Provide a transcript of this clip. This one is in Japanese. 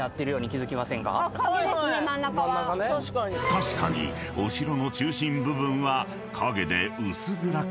［確かにお城の中心部分は影で薄暗くなっているが］